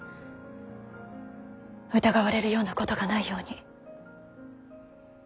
疑われるようなことがないように。